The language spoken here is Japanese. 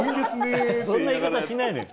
そんな言い方しないのよ。